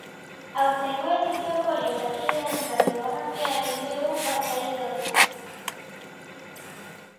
Aurtengo edizioko lehiakideen radiografia egin digu partaide ohiak.